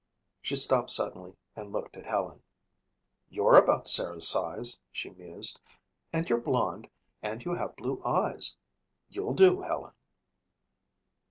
She stopped suddenly and looked at Helen. "You're about Sarah's size," she mused, "and you're blonde and you have blue eyes. You'll do, Helen."